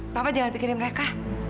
papa jangan pikirin mereka